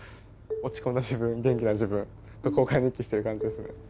落ち込んだ自分元気な自分と交換日記してる感じですね。